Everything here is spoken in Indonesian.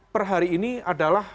per hari ini adalah